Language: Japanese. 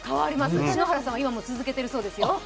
篠原さんは今も続けてるそうですよ。